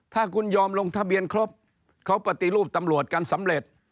ถ้าคุณยอมลงทะเบียนครบเขาปฏิรูปตำรวจกันสำเร็จ